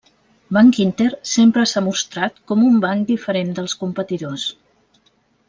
Bankinter sempre s'ha mostrat com un banc diferent dels competidors.